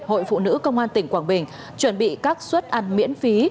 hội phụ nữ công an tỉnh quảng bình chuẩn bị các suất ăn miễn phí